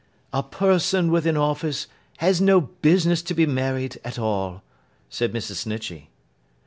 'A person with an office has no business to be married at all,' said Mrs. Snitchey.